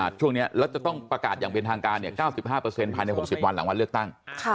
ช่วงนี้แล้วจะต้องประกาศอย่างเป็นทางการ๙๕ภายใน๖๐วันหลังวันเลือกตั้ง